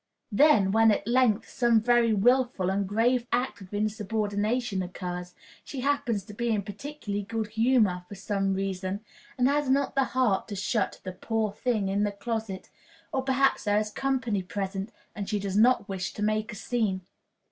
Then, when at length some very willful and grave act of insubordination occurs, she happens to be in particularly good humor, for some reason, and has not the heart to shut "the poor thing" in the closet; or, perhaps, there is company present, and she does not wish to make a scene.